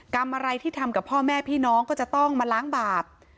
กรรมอะไรที่ทำกับพ่อแม่พี่น้องก็จะต้องมาล้างบาป